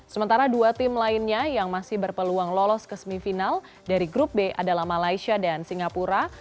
sementara dua tim lainnya yang masih berpeluang lolos ke semifinal dari grup b adalah malaysia dan singapura